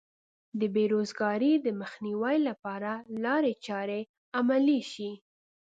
د بې روزګارۍ د مخنیوي لپاره لارې چارې عملي شي.